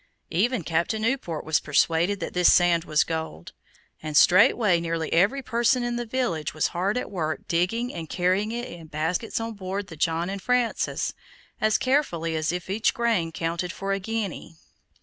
Even Captain Newport was persuaded that this sand was gold, and straightway nearly every person in the village was hard at work digging and carrying it in baskets on board the John and Francis as carefully as if each grain counted for a guinea.